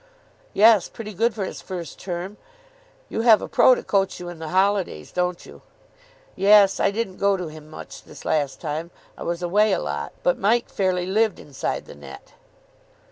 s." "Yes. Pretty good for his first term. You have a pro. to coach you in the holidays, don't you?" "Yes. I didn't go to him much this last time. I was away a lot. But Mike fairly lived inside the net."